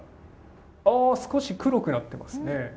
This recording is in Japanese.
少し黒くなっていますね。